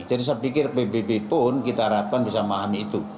jadi saya pikir pbb pun kita harapkan bisa memahami itu